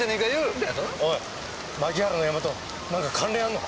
おい槇原のヤマと何か関連あんのか？